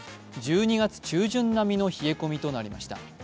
１２月中旬並みの冷え込みとなりました。